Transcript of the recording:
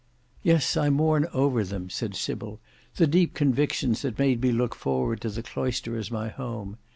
"Yes, I mourn over them," said Sybil, "the deep convictions that made me look forward to the cloister as my home.